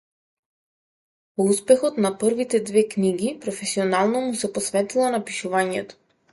По успехот на првите две книги професионално му се посветила на пишувањето.